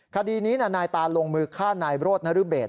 คดีนี้นายตานลงมือฆ่านายโรธนรเบศ